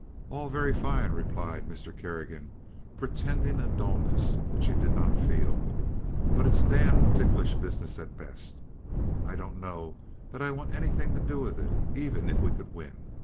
"All very fine," replied Mr. Kerrigan, pretending a dullness which he did not feel; "but it's damned ticklish business at best. I don't know that I want anything to do with it even if we could win.